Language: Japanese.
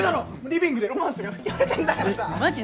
リビングでロマンスが吹き荒れてんだからさマジ